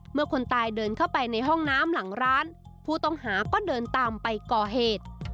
คนตายเดินเข้าไปในห้องน้ำหลังร้านผู้ต้องหาก็เดินตามไปก่อเหตุ